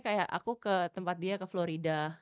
kayak aku ke tempat dia ke florida